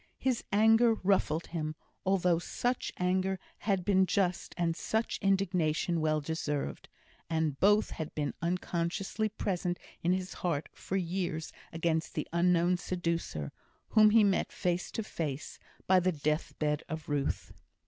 His anger ruffled him, although such anger had been just, and such indignation well deserved; and both had been unconsciously present in his heart for years against the unknown seducer, whom he met face to face by the death bed of Ruth.